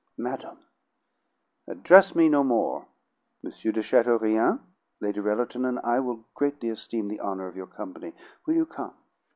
"Madam." "Address me no more! M. de Chateaurien, Lady Rellerton and I will greatly esteem the honor of your company. Will you come?"